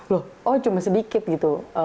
loh oh cuma sedikit gitu